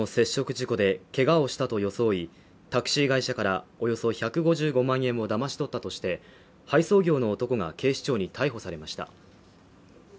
事故でけがをしたと装い、タクシー会社からおよそ１５５万円をだまし取ったとして配送業の男が警視庁に逮捕されました。